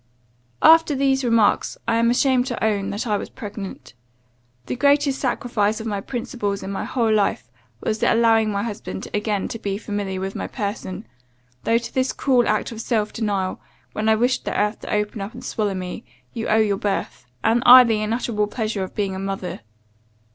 "After these remarks, I am ashamed to own, that I was pregnant. The greatest sacrifice of my principles in my whole life, was the allowing my husband again to be familiar with my person, though to this cruel act of self denial, when I wished the earth to open and swallow me, you owe your birth; and I the unutterable pleasure of being a mother.